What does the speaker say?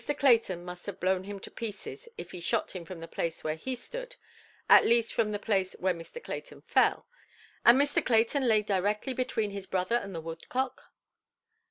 Clayton must have blown him to pieces, if he shot him from the place where he stood, at least from the place where Mr. Clayton fell. And poor Mr. Clayton lay directly between his brother and the woodcock"?